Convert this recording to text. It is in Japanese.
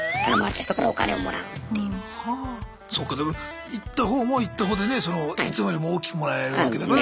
はあそうかでも行ったほうも行ったほうでねいつもよりも大きくもらえるわけだからまあ。